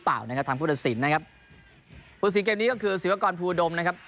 ทางภูตสินนะครับภูตสินเกมนี้ก็คือศิลปกรณ์ภูอดมนะครับ